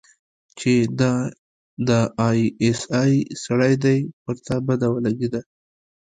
چې دا د آى اس آى سړى دى پر تا بده ولګېده.